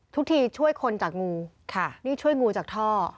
ทุกทีช่วยคนจากงูค่ะนี่ช่วยงูจากท่อ